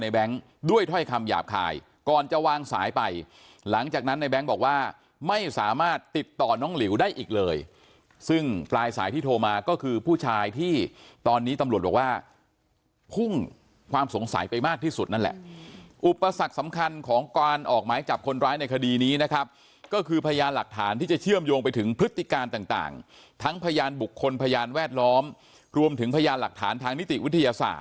แบงค์ด้วยถ่อยคำหยาบคายก่อนจะวางสายไปหลังจากนั้นในแบงค์บอกว่าไม่สามารถติดต่อน้องหลิวได้อีกเลยซึ่งปลายสายที่โทรมาก็คือผู้ชายที่ตอนนี้ตำรวจบอกว่าพุ่งความสงสัยไปมากที่สุดนั่นแหละอุปสรรคสำคัญของการออกหมายจับคนร้ายในคดีนี้นะครับก็คือพยานหลักฐานที่จะเชื่อมโยงไปถึงพฤติการต่างท